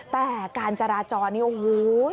แต่การจราจรนี่โอ้โห